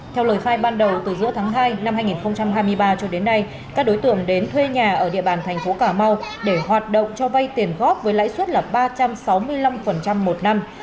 theo lời khai ban đầu từ giữa tháng hai năm hai nghìn hai mươi ba cho đến nay các đối tượng đến thuê nhà ở địa bàn thành phố cà mau để hoạt động cho vay tiền góp với lãi suất là ba trăm sáu mươi năm một năm